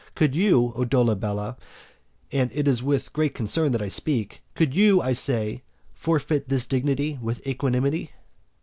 Could you, O Dolabella, (it is with great concern that I speak,) could you, I say, forfeit this dignity with equanimity?